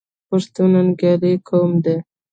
پښتون ننګیالی قوم دی.